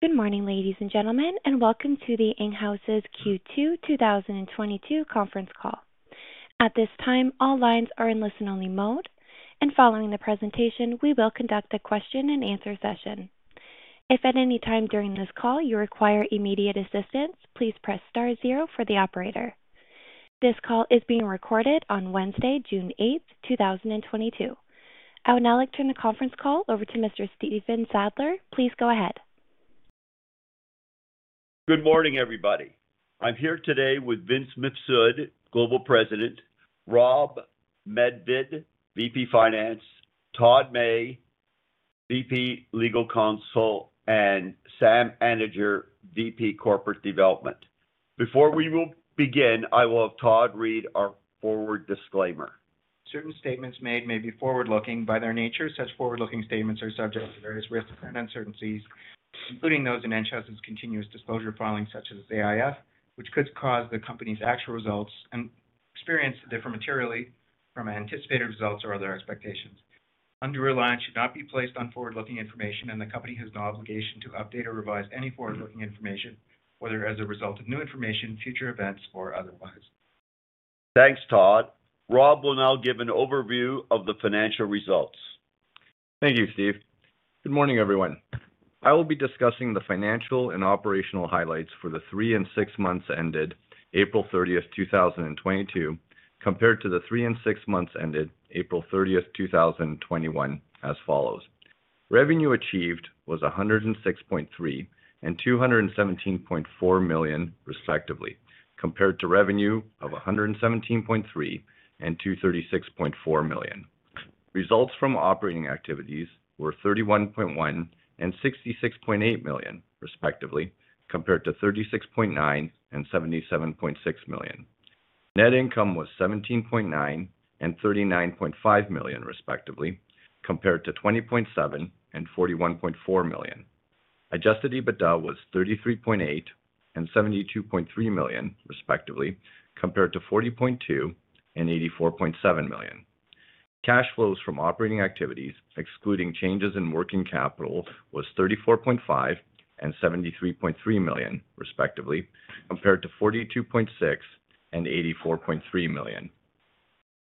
Good morning, ladies and gentlemen, and welcome to the Enghouse's Q2 2022 conference call. At this time, all lines are in listen-only mode, and following the presentation, we will conduct a question and answer session. If at any time during this call you require immediate assistance, please press star zero for the operator. This call is being recorded on Wednesday, June eighth, two thousand and twenty-two. I would now like to turn the conference call over to Mr. Stephen Sadler. Please go ahead. Good morning, everybody. I'm here today with Vince Mifsud, Global President, Rob Medved, VP Finance, Todd May, VP Legal Counsel, and Sam Anidjar, VP Corporate Development. Before we will begin, I will have Todd read our forward disclaimer. Certain statements made may be forward-looking by their nature. Such forward-looking statements are subject to various risks and uncertainties, including those in Enghouse's continuous disclosure filings such as AIF, which could cause the company's actual results and experience to differ materially from anticipated results or other expectations. Undue reliance should not be placed on forward-looking information, and the company has no obligation to update or revise any forward-looking information, whether as a result of new information, future events, or otherwise. Thanks, Todd. Rob will now give an overview of the financial results. Thank you, Stephen. Good morning, everyone. I will be discussing the financial and operational highlights for the three and six months ended April 30, 2022, compared to the three and six months ended April 30, 2021 as follows. Revenue achieved was 106.3 million and 217.4 million, respectively, compared to revenue of 117.3 million and 236.4 million. Results from operating activities were 31.1 million and 66.8 million, respectively, compared to 36.9 million and 77.6 million. Net income was 17.9 million and 39.5 million, respectively, compared to 20.7 million and 41.4 million. Adjusted EBITDA was 33.8 million and 72.3 million, respectively, compared to 40.2 million and 84.7 million. Cash flows from operating activities, excluding changes in working capital, was 34.5 million and 73.3 million, respectively, compared to 42.6 million and 84.3 million.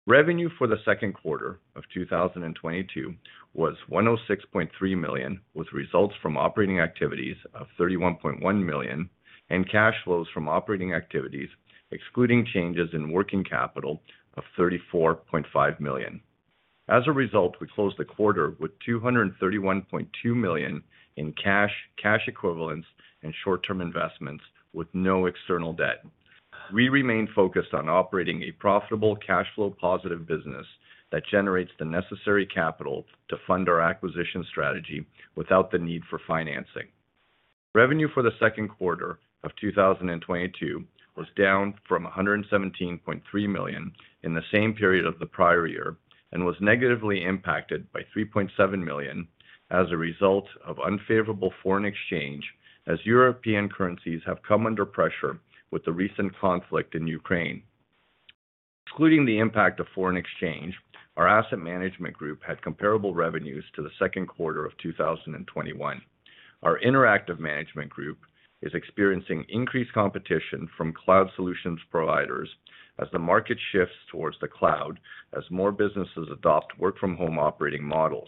Revenue for the second quarter of 2022 was 106.3 million, with results from operating activities of 31.1 million and cash flows from operating activities, excluding changes in working capital, of 34.5 million. As a result, we closed the quarter with 231.2 million in cash equivalents and short-term investments with no external debt. We remain focused on operating a profitable cash flow positive business that generates the necessary capital to fund our acquisition strategy without the need for financing. Revenue for the second quarter of 2022 was down from 117.3 million in the same period of the prior year and was negatively impacted by 3.7 million as a result of unfavorable foreign exchange as European currencies have come under pressure with the recent conflict in Ukraine. Excluding the impact of foreign exchange, our Asset Management Group had comparable revenues to the second quarter of 2021. Our Interactive Management Group is experiencing increased competition from cloud solutions providers as the market shifts towards the cloud as more businesses adopt work from home operating models.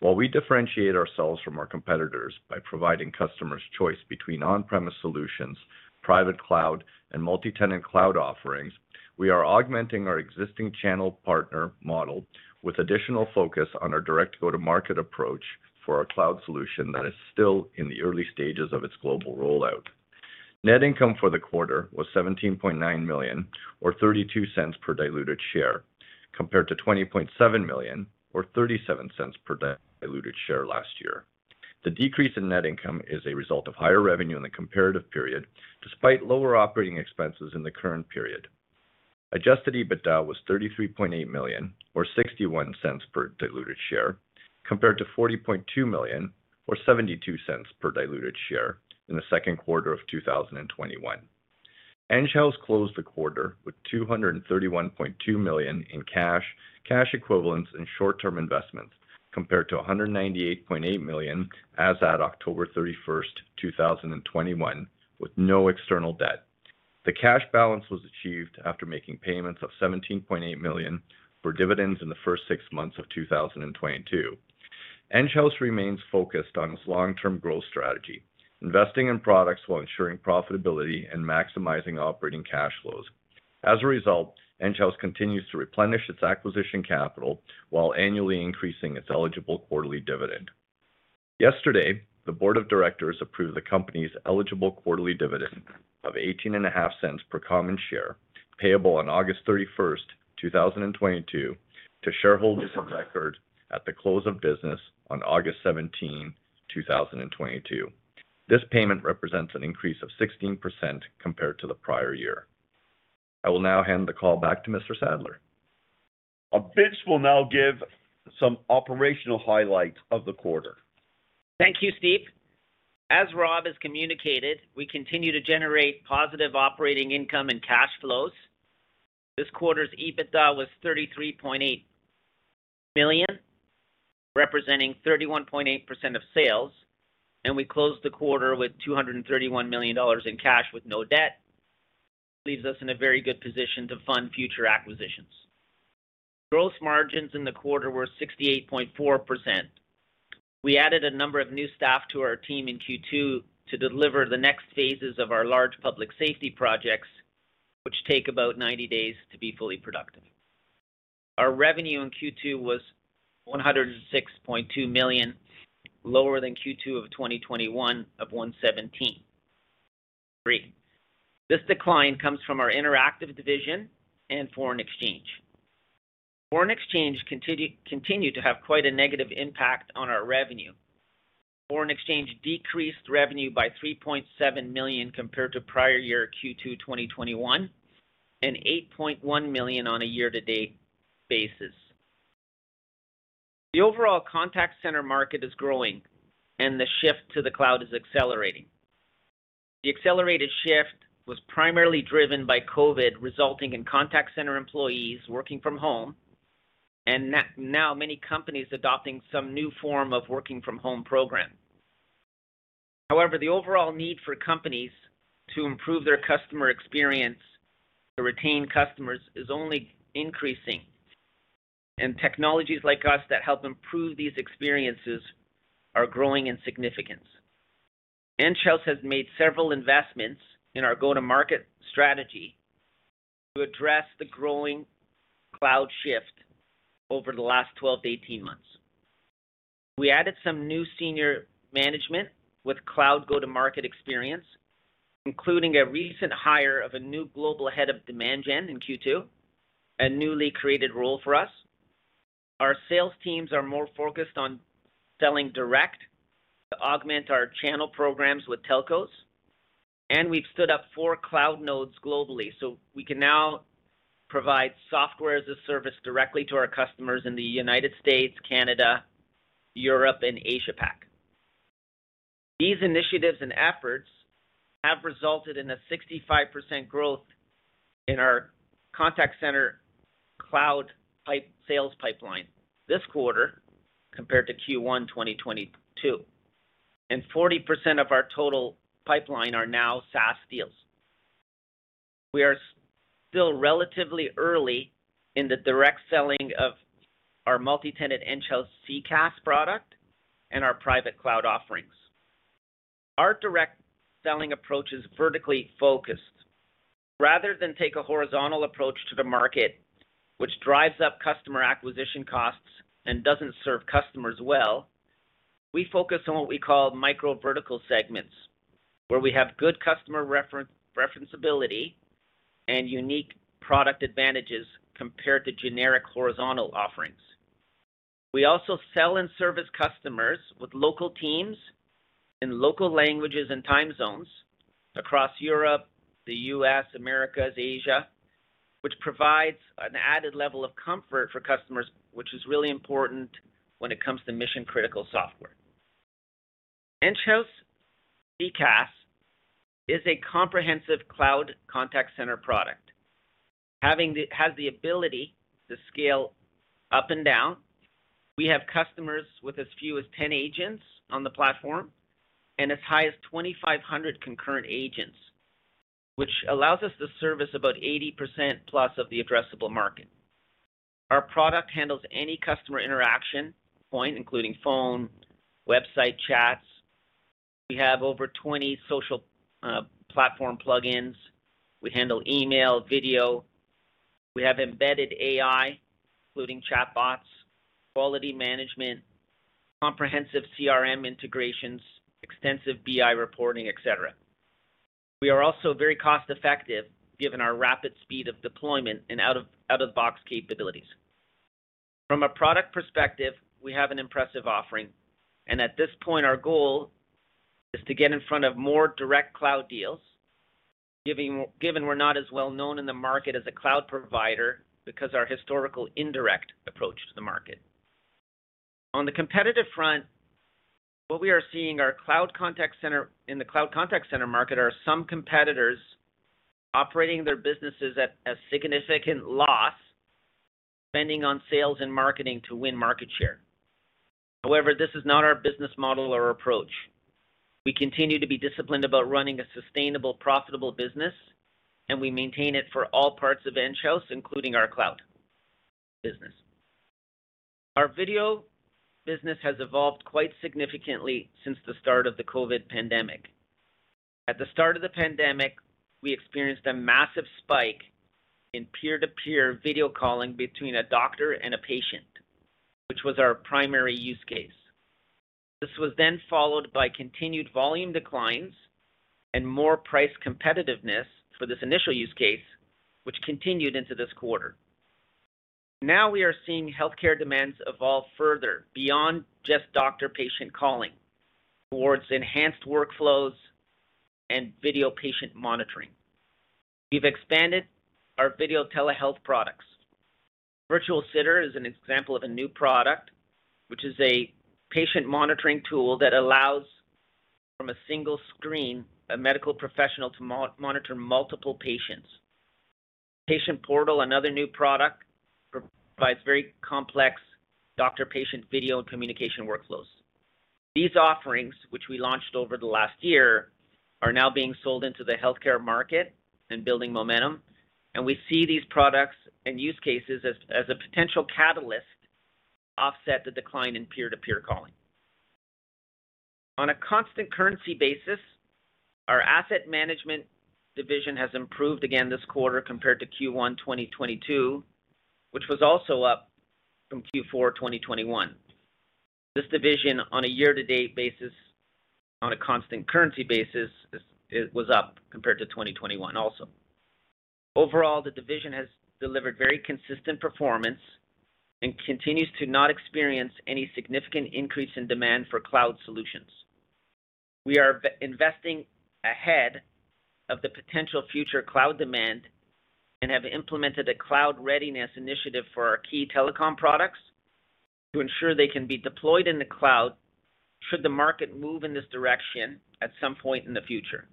While we differentiate ourselves from our competitors by providing customers choice between on-premise solutions, private cloud, and multi-tenant cloud offerings, we are augmenting our existing channel partner model with additional focus on our direct go-to-market approach for our cloud solution that is still in the early stages of its global rollout. Net income for the quarter was 17.9 million or 0.32 per diluted share, compared to 20.7 million or 0.37 per diluted share last year. The decrease in net income is a result of higher revenue in the comparative period, despite lower operating expenses in the current period. Adjusted EBITDA was 33.8 million or 0.61 per diluted share, compared to 40.2 million or 0.72 per diluted share in the second quarter of 2021. Enghouse closed the quarter with 231.2 million in cash equivalents and short-term investments, compared to 198.8 million as at October 31, 2021, with no external debt. The cash balance was achieved after making payments of 17.8 million for dividends in the first six months of 2022. Enghouse remains focused on its long-term growth strategy, investing in products while ensuring profitability and maximizing operating cash flows. As a result, Enghouse continues to replenish its acquisition capital while annually increasing its eligible quarterly dividend. Yesterday, the board of directors approved the company's eligible quarterly dividend of 0.185 per common share, payable on August 31, 2022 to shareholders of record at the close of business on August 17, 2022. This payment represents an increase of 16% compared to the prior year. I will now hand the call back to Mr. Sadler. Vince will now give some operational highlights of the quarter. Thank you, Steven. As Rob has communicated, we continue to generate positive operating income and cash flows. This quarter's EBITDA was 33.8. Million, representing 31.8% of sales, and we closed the quarter with 231 million dollars in cash with no debt. Leaves us in a very good position to fund future acquisitions. Gross margins in the quarter were 68.4%. We added a number of new staff to our team in Q2 to deliver the next phases of our large public safety projects, which take about 90 days to be fully productive. Our revenue in Q2 was 106.2 million, lower than Q2 of 2021 of 117.3. This decline comes from our interactive division and foreign exchange. Foreign exchange continues to have quite a negative impact on our revenue. Foreign exchange decreased revenue by 3.7 million compared to prior year Q2 2021, and 8.1 million on a year-to-date basis. The overall contact center market is growing, and the shift to the cloud is accelerating. The accelerated shift was primarily driven by COVID, resulting in contact center employees working from home, and now many companies adopting some new form of working from home program. However, the overall need for companies to improve their customer experience to retain customers is only increasing, and technologies like us that help improve these experiences are growing in significance. Enghouse has made several investments in our go-to-market strategy to address the growing cloud shift over the last 12-18 months. We added some new senior management with cloud go-to-market experience, including a recent hire of a new global head of demand gen in Q2, a newly created role for us. Our sales teams are more focused on selling direct to augment our channel programs with telcos. We've stood up 4 cloud nodes globally, so we can now provide software as a service directly to our customers in the United States, Canada, Europe, and Asia Pac. These initiatives and efforts have resulted in a 65% growth in our contact center cloud pipeline this quarter compared to Q1 2022, and 40% of our total pipeline are now SaaS deals. We are still relatively early in the direct selling of our multi-tenant Enghouse CCaaS product and our private cloud offerings. Our direct selling approach is vertically focused. Rather than take a horizontal approach to the market, which drives up customer acquisition costs and doesn't serve customers well, we focus on what we call micro vertical segments, where we have good customer referenceability and unique product advantages compared to generic horizontal offerings. We also sell and service customers with local teams in local languages and time zones across Europe, the U.S., Americas, Asia, which provides an added level of comfort for customers, which is really important when it comes to mission-critical software. Enghouse CCaaS is a comprehensive cloud contact center product. Has the ability to scale up and down. We have customers with as few as 10 agents on the platform and as high as 2,500 concurrent agents, which allows us to service about 80%+ of the addressable market. Our product handles any customer interaction point, including phone, website chats. We have over 20 social platform plugins. We handle email, video. We have embedded AI, including chatbots, quality management, comprehensive CRM integrations, extensive BI reporting, et cetera. We are also very cost-effective given our rapid speed of deployment and out of the box capabilities. From a product perspective, we have an impressive offering, and at this point, our goal is to get in front of more direct cloud deals, given we're not as well known in the market as a cloud provider because our historical indirect approach to the market. On the competitive front, what we are seeing in the cloud contact center market are some competitors operating their businesses at a significant loss, spending on sales and marketing to win market share. However, this is not our business model or approach. We continue to be disciplined about running a sustainable, profitable business, and we maintain it for all parts of Enghouse, including our cloud business. Our video business has evolved quite significantly since the start of the COVID pandemic. At the start of the pandemic, we experienced a massive spike in peer-to-peer video calling between a doctor and a patient, which was our primary use case. This was then followed by continued volume declines and more price competitiveness for this initial use case, which continued into this quarter. Now we are seeing healthcare demands evolve further beyond just doctor-patient calling towards enhanced workflows and video patient monitoring. We've expanded our video telehealth products. Virtual Sitter is an example of a new product, which is a patient monitoring tool that allows, from a single screen, a medical professional to monitor multiple patients. Patient Portal, another new product, provides very complex doctor-patient video and communication workflows. These offerings, which we launched over the last year, are now being sold into the healthcare market and building momentum, and we see these products and use cases as a potential catalyst to offset the decline in peer-to-peer calling. On a constant currency basis, our asset management division has improved again this quarter compared to Q1 2022, which was also up from Q4 2021. This division on a year-to-date basis, on a constant currency basis, was up compared to 2021 also. Overall, the division has delivered very consistent performance and continues to not experience any significant increase in demand for cloud solutions. We are investing ahead of the potential future cloud demand and have implemented a cloud readiness initiative for our key telecom products to ensure they can be deployed in the cloud should the market move in this direction at some point in the future.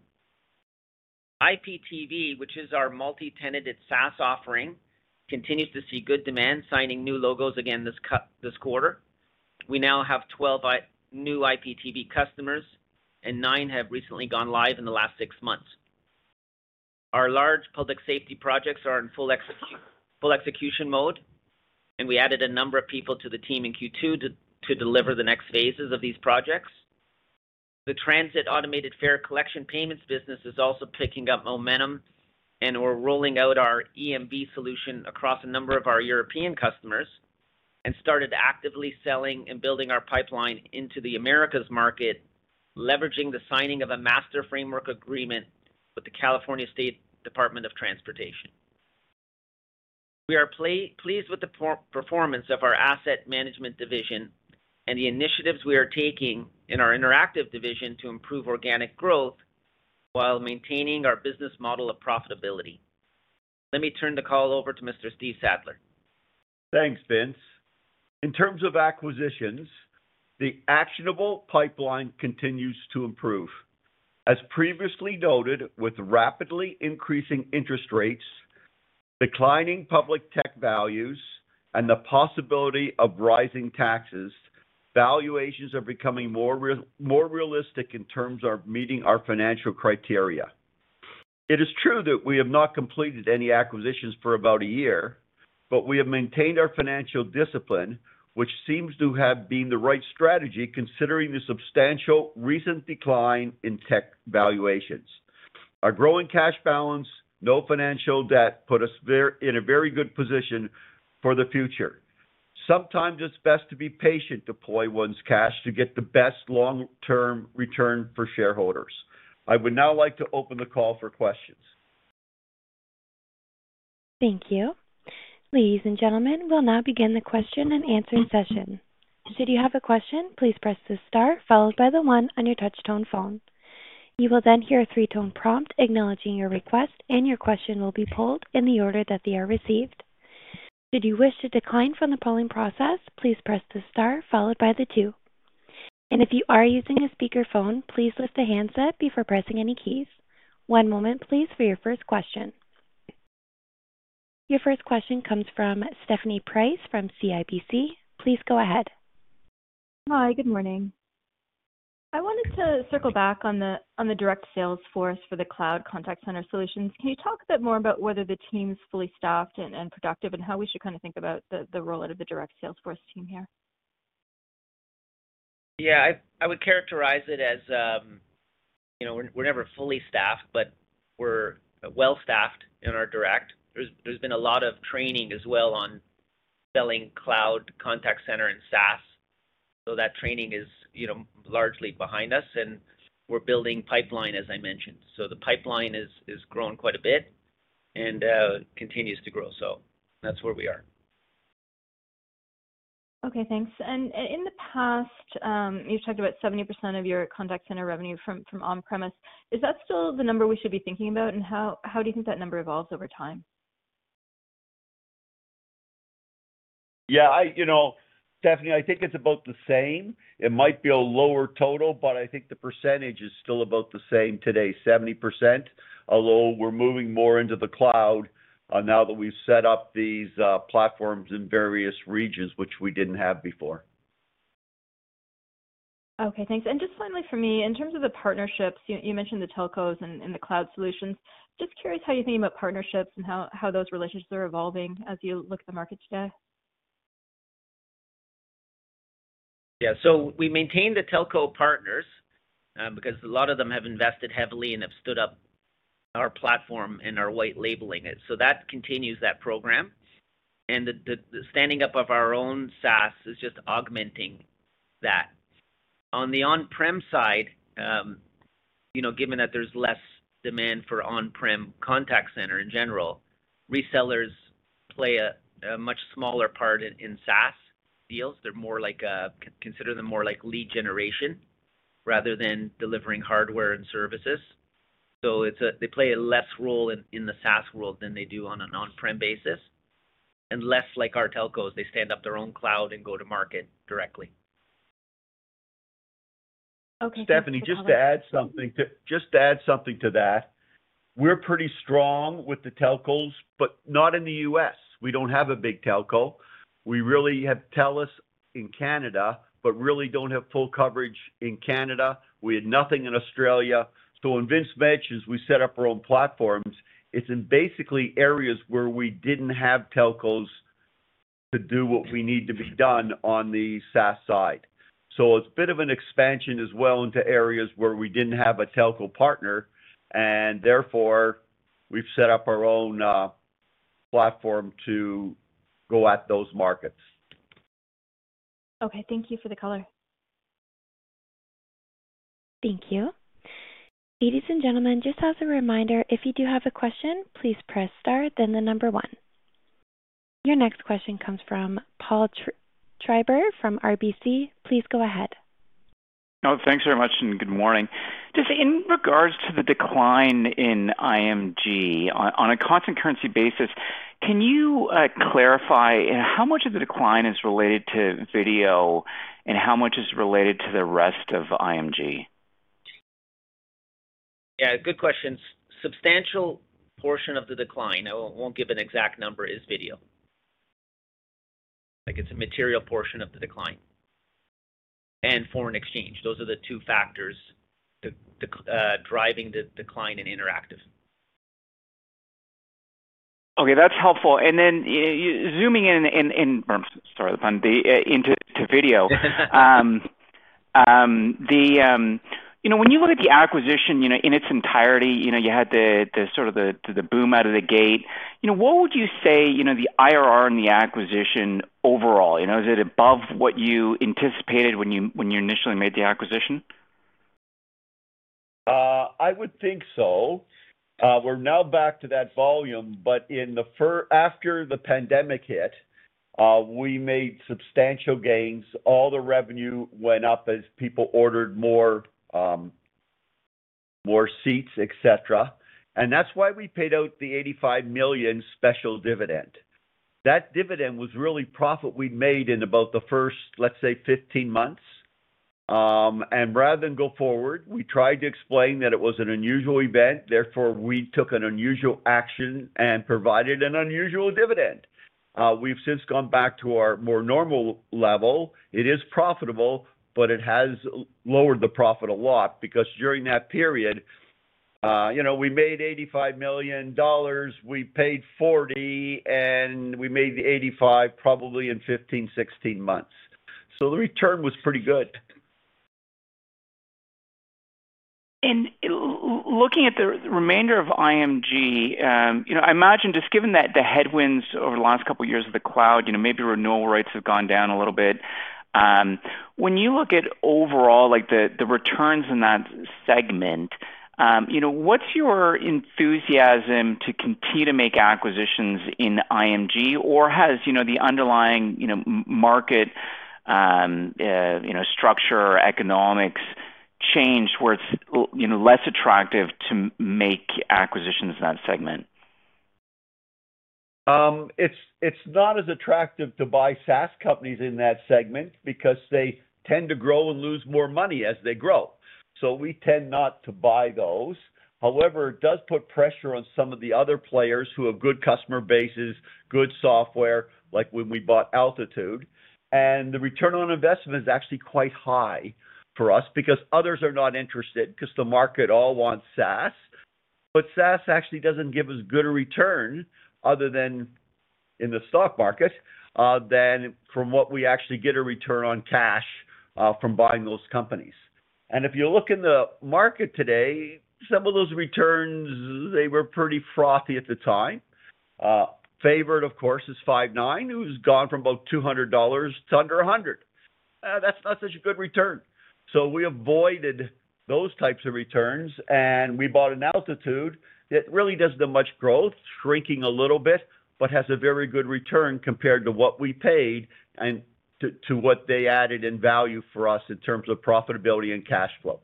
IPTV, which is our multi-tenanted SaaS offering, continues to see good demand, signing new logos again this quarter. We now have 12 new IPTV customers and nine have recently gone live in the last six months. Our large public safety projects are in full execution mode, and we added a number of people to the team in Q2 to deliver the next phases of these projects. The transit automated fare collection payments business is also picking up momentum, and we're rolling out our EMV solution across a number of our European customers and started actively selling and building our pipeline into the Americas market, leveraging the signing of a master framework agreement with the California Department of Transportation. We are pleased with the performance of our asset management division and the initiatives we are taking in our interactive division to improve organic growth while maintaining our business model of profitability. Let me turn the call over to Mr. Stephen Sadler. Thanks, Vince. In terms of acquisitions, the actionable pipeline continues to improve. As previously noted, with rapidly increasing interest rates, declining public tech values, and the possibility of rising taxes, valuations are becoming more realistic in terms of meeting our financial criteria. It is true that we have not completed any acquisitions for about a year, but we have maintained our financial discipline, which seems to have been the right strategy considering the substantial recent decline in tech valuations. Our growing cash balance, no financial debt, put us in a very good position for the future. Sometimes it's best to be patient, deploy one's cash to get the best long-term return for shareholders. I would now like to open the call for questions. Thank you. Ladies and gentlemen, we'll now begin the question and answering session. Should you have a question, please press the star followed by one on your touch-tone phone. You will then hear a three-tone prompt acknowledging your request, and your question will be pulled in the order that they are received. Should you wish to decline from the polling process, please press the star followed by two. If you are using a speakerphone, please lift the handset before pressing any keys. One moment please for your first question. Your first question comes from Stephanie Price from CIBC. Please go ahead. Hi. Good morning. I wanted to circle back on the direct sales force for the cloud contact center solutions. Can you talk a bit more about whether the team's fully staffed and productive, and how we should kind of think about the roll out of the direct sales force team here? Yeah. I would characterize it as, you know, we're never fully staffed, but we're well-staffed in our direct. There's been a lot of training as well on selling cloud contact center and SaaS. That training is, you know, largely behind us and we're building pipeline, as I mentioned. The pipeline is grown quite a bit and continues to grow. That's where we are. Okay, thanks. In the past, you talked about 70% of your contact center revenue from on-premise. Is that still the number we should be thinking about, and how do you think that number evolves over time? Yeah, you know, Stephanie, I think it's about the same. It might be a lower total, but I think the percentage is still about the same today, 70%. Although we're moving more into the cloud, now that we've set up these platforms in various regions, which we didn't have before. Okay, thanks. Just finally for me, in terms of the partnerships, you mentioned the telcos and the cloud solutions. Just curious how you think about partnerships and how those relationships are evolving as you look at the market today. Yeah. We maintain the telco partners because a lot of them have invested heavily and have stood up our platform and are white labeling it. That continues that program. The standing up of our own SaaS is just augmenting that. On the on-prem side, given that there's less demand for on-prem contact center in general, resellers play a much smaller part in SaaS deals. They're more like consider them more like lead generation rather than delivering hardware and services. They play a less role in the SaaS world than they do on an on-prem basis. Less like our telcos, they stand up their own cloud and go to market directly. Okay, thank you. Color. Stephanie, just to add something to that. We're pretty strong with the telcos, but not in the U.S. We don't have a big telco. We really have Telus in Canada, but really don't have full coverage in Canada. We had nothing in Australia. When Vince mentions we set up our own platforms, it's in basically areas where we didn't have telcos to do what we need to be done on the SaaS side. It's a bit of an expansion as well into areas where we didn't have a telco partner and therefore we've set up our own platform to go at those markets. Okay, thank you for the color. Thank you. Ladies and gentlemen, just as a reminder, if you do have a question, please press star, then the number one. Your next question comes from Paul Treiber from RBC. Please go ahead. Oh, thanks very much, and good morning. Just in regards to the decline in IMG on a constant currency basis, can you clarify how much of the decline is related to video and how much is related to the rest of IMG? Yeah, good question. Substantial portion of the decline, I won't give an exact number, is video. Like, it's a material portion of the decline. Foreign exchange, those are the two factors driving the decline in interactive. Okay, that's helpful. You zooming in, sorry, the path into video. You know, when you look at the acquisition, you know, in its entirety, you know, you had the sort of boom out of the gate. You know, what would you say, you know, the IRR and the acquisition overall? You know, is it above what you anticipated when you initially made the acquisition? I would think so. We're now back to that volume, but after the pandemic hit, we made substantial gains. All the revenue went up as people ordered more seats, et cetera. That's why we paid out the $85 million special dividend. That dividend was really profit we'd made in about the first, let's say, 15 months. Rather than go forward, we tried to explain that it was an unusual event, therefore, we took an unusual action and provided an unusual dividend. We've since gone back to our more normal level. It is profitable, but it has lowered the profit a lot because during that period, you know, we made $85 million, we paid $40 million, and we made the 85 probably in 15, 16 months. The return was pretty good. Looking at the remainder of IMG, you know, I imagine just given that the headwinds over the last couple of years of the cloud, you know, maybe renewal rates have gone down a little bit. When you look at overall, like, the returns in that segment, you know, what's your enthusiasm to continue to make acquisitions in IMG? Or has, you know, the underlying, you know, market, you know, structure or economics changed where it's less attractive to make acquisitions in that segment? It's not as attractive to buy SaaS companies in that segment because they tend to grow and lose more money as they grow. We tend not to buy those. However, it does put pressure on some of the other players who have good customer bases, good software, like when we bought Altitude. The return on investment is actually quite high for us because others are not interested because the market all wants SaaS. SaaS actually doesn't give as good a return other than in the stock market than from what we actually get a return on cash from buying those companies. If you look in the market today, some of those returns, they were pretty frothy at the time. Favorite, of course, is Five9, who's gone from about $200 to under $100. That's not such a good return. We avoided those types of returns, and we bought an Altitude that really doesn't do much growth, shrinking a little bit, but has a very good return compared to what we paid and to what they added in value for us in terms of profitability and cash flow.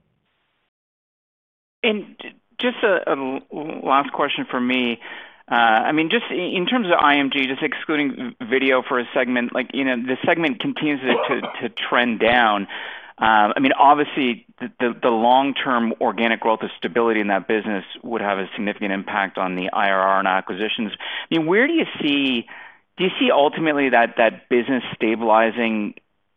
Just a last question from me. I mean, just in terms of IMG, just excluding video for a segment like, you know, the segment continues to trend down. I mean, obviously the long-term organic growth or stability in that business would have a significant impact on the IRR and acquisitions. I mean, where do you see, do you see ultimately that business stabilizing?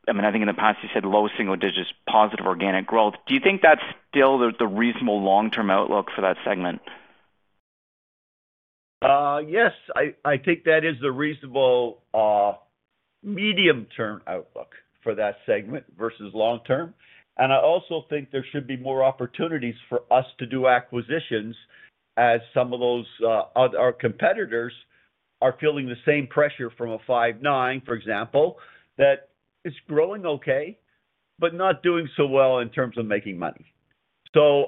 I mean, I think in the past, you said low single digits, positive organic growth. Do you think that's still the reasonable long-term outlook for that segment? Yes. I think that is the reasonable medium-term outlook for that segment versus long-term. I also think there should be more opportunities for us to do acquisitions as some of those, our competitors are feeling the same pressure from Five9, for example, that it's growing okay, but not doing so well in terms of making money.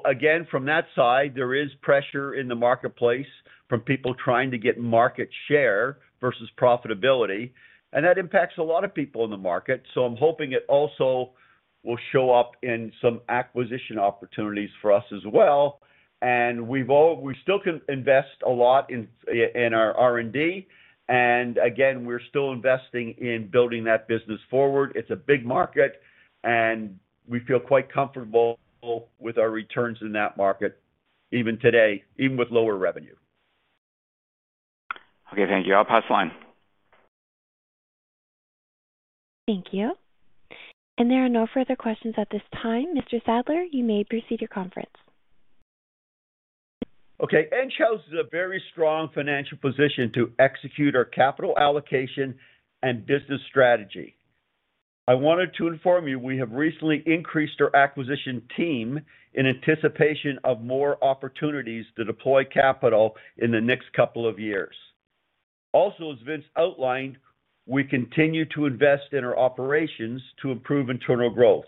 Again, from that side, there is pressure in the marketplace from people trying to get market share versus profitability, and that impacts a lot of people in the market. I'm hoping it also will show up in some acquisition opportunities for us as well. We still can invest a lot in our R&D. Again, we're still investing in building that business forward. It's a big market, and we feel quite comfortable with our returns in that market, even today, even with lower revenue. Okay, thank you. I'll pass the line. Thank you. There are no further questions at this time. Mr. Sadler, you may proceed your conference. Okay. Enghouse is a very strong financial position to execute our capital allocation and business strategy. I wanted to inform you we have recently increased our acquisition team in anticipation of more opportunities to deploy capital in the next couple of years. Also, as Vince outlined, we continue to invest in our operations to improve internal growth.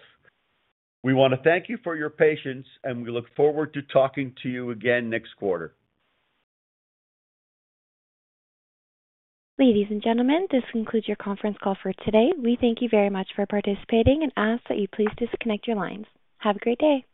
We wanna thank you for your patience, and we look forward to talking to you again next quarter. Ladies and gentlemen, this concludes your conference call for today. We thank you very much for participating and ask that you please disconnect your lines. Have a great day.